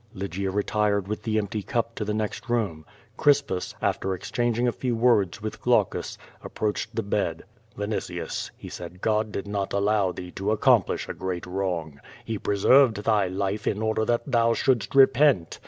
Lygia retired with the empty cup to the next room. Cria pus, after exchanging a few words with Glaucus, approached the bed. "Vinitius," he said, "God did not allow thee to accomplish a great wrong. He preserved thy life in order that thou shouldst repent.